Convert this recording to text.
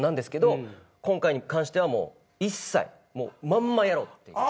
今回に関してはもう一切まんまやろうっていう。